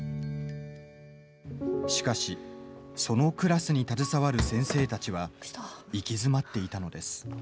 しかし、そのクラスに携わる先生たちは行き詰まっていたのです。